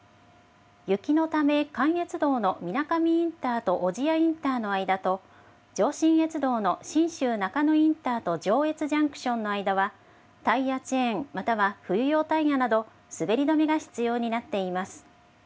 雪のため関越道のみなかみインターと小千谷インターの間と、上信越道の信州なかのインターと上越ジャンクションの間は、タイヤチェーンまたは冬用タイヤなど、滑り止めが必要になっています。